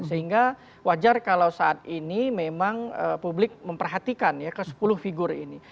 sehingga wajar kalau saat ini memang publik memperhatikan ya ke sepuluh figur ini